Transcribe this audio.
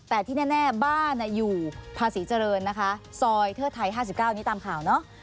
แต่ที่แน่บ้านอยู่ภาษีเจริญนะคะซอยเทิดไทย๕๙นี้ตามข่าวเนาะ